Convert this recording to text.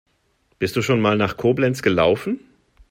Bist du schon mal nach Koblenz gelaufen?